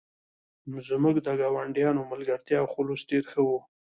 زموږ د ګاونډیانو ملګرتیا او خلوص ډیر ښه و